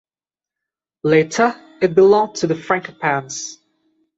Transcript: Later it belonged to the Frankopans.